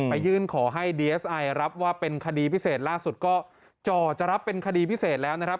ยื่นขอให้ดีเอสไอรับว่าเป็นคดีพิเศษล่าสุดก็จ่อจะรับเป็นคดีพิเศษแล้วนะครับ